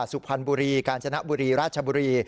สุพรรณบุรีกาญจนบุรีราชบุรี